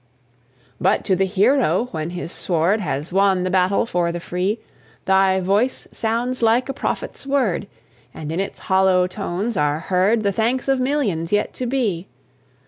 But to the hero, when his sword Has won the battle for the free, Thy voice sounds like a prophet's word; And in its hollow tones are heard The thanks of millions yet to be.